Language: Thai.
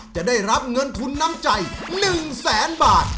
จะได้รับเงินทุนน้ำใจ๑แสนบาท